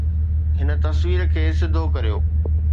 هن تصوير کي سڌو ڪريو